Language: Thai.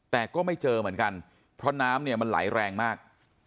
แต่ก็ไม่เจอเหมือนกันเพราะน้ำเนี่ยมันไหลแรงมาก